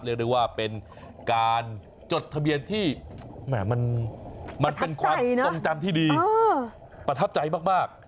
เรียกได้ว่าเป็นการจดทะเบียนที่มันเป็นความทรงจำที่ดีประทับใจมาก